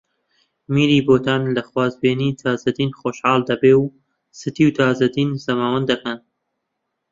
میری بۆتان لە خوازبێنیی تاجدین خۆشحاڵ دەبێ و ستی و تاجدین زەماوەند دەکەن